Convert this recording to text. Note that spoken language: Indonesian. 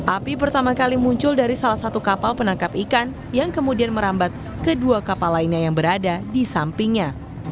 api pertama kali muncul dari salah satu kapal penangkap ikan yang kemudian merambat ke dua kapal lainnya yang berada di sampingnya